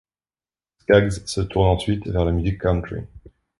Skaggs se tourne ensuite vers la musique country.